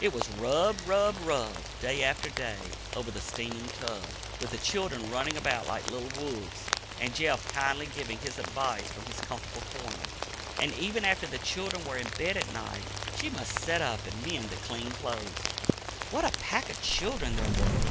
It was rub, rub, rub, day after day, over the steaming tub, with the children running about like little wolves, and Jeff kindly giving his advice from his comfortable corner. And even after the children were in bed at night, she must sit up and mend the clean clothes. What a pack of children there were!